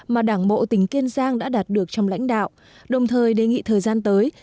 mà đảng bộ tỉnh kiên giang đã đạt được trong lãnh đạo đồng thời đề nghị thời gian tới